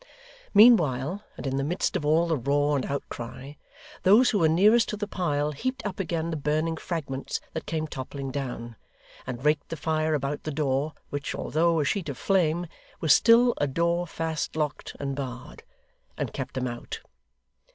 Meanwhile, and in the midst of all the roar and outcry, those who were nearest to the pile, heaped up again the burning fragments that came toppling down, and raked the fire about the door, which, although a sheet of flame, was still a door fast locked and barred, and kept them out.